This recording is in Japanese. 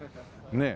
ねえ。